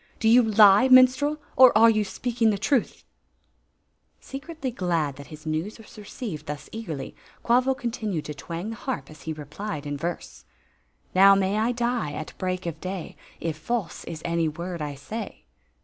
" Do you lie, minstrel, or are you speaking the truth ?" Secretly glad that his news was received thus eag erI3^ Quavo continued to twang the harp as he re plied in verse :" Now may I die at break of day. If false is any word I say."